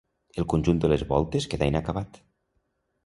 El conjunt de les Voltes quedà inacabat.